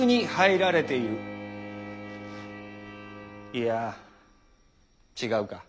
いや違うか。